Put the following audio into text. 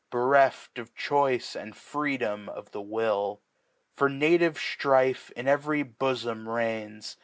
Bereft of Choice and Freedom of the Will. For native Strife in ev'ry Bofom reigns.